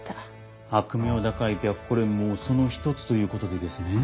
悪名高い白虎連もその一つということでげすね。